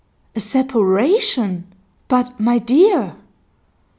'A separation? But, my dear